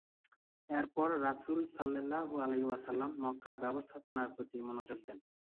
এরপর রাসূল সাল্লাল্লাহু আলাইহি ওয়াসাল্লাম মক্কার ব্যবস্থাপনার প্রতি মনোযোগ দেন।